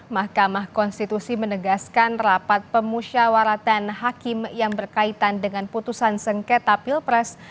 mahkamah konstitusi menegaskan rapat pemusyawaratan hakim yang berkaitan dengan putusan sengketa pilpres